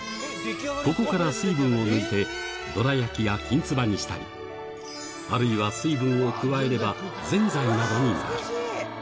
ここから水分を抜いて、どら焼きやきんつばにしたり、あるいは水分を加えれば、ぜんざいなどになる。